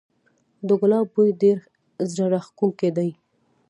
د ګلاب بوی ډیر زړه راښکونکی دی